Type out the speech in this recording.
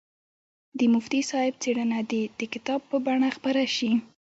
د مفتي صاحب څېړنه دې د کتاب په بڼه خپره شي.